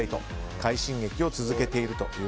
快進撃を続けています。